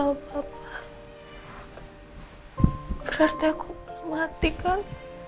berarti aku belum mati kan